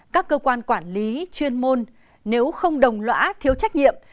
các cơ quan quản lý chuyên môn nếu không đồng lõa thiếu trách nhiệm